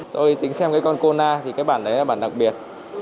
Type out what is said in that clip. tôi tính xem cái con kona thì cái bản đấy là bản đặc biệt